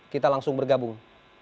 kita langsung bergabung